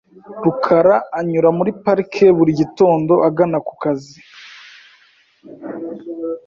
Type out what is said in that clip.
rukara anyura muri parike buri gitondo agana ku kazi .